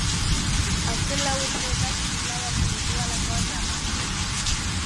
Azken lau urteetan isilarazi ditudalakoan nago.